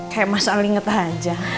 kayak mas al inget aja